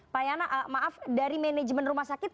pak yana maaf dari manajemen rumah sakit